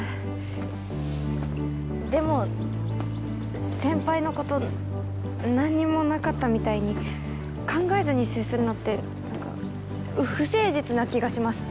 でも先輩の事なんにもなかったみたいに考えずに接するのってなんか不誠実な気がします。